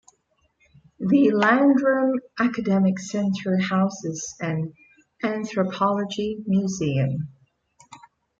The Landrum Academic Center houses an Anthropology Museum.